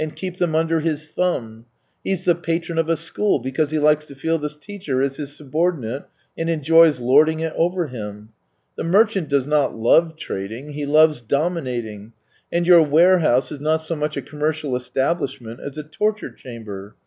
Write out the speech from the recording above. keep them under his thumb; he's the patron of a school because he Hkes to feel the teacher is his subordinate and enjoys lording it over him. The merchant does not love trading, he loves domin ating, and your warehouse is not so much a com mercial establishment as a torture chamber !